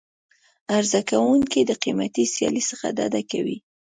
عرضه کوونکي د قیمتي سیالۍ څخه ډډه کوي.